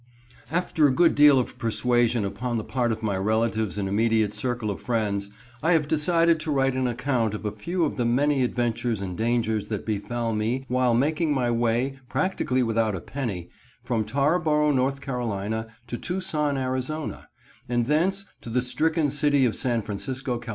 After a good deal of persuasion upon the part of my relatives and immediate circle of friends, I have decided to write an account of a few of the many adventures and dangers that befell me while making my way, practically without a penny, from Tarboro, North Carolina, to Tucson, Arizona; and thence to the stricken city of San Francisco, Cal.